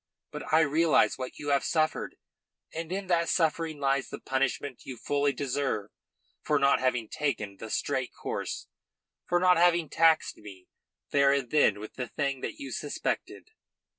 But I realise what you have suffered, and in that suffering lies the punishment you fully deserve for not having taken the straight course, for not having taxed me there and then with the thing that you suspected."